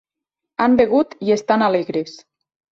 Han begut i estan alegres.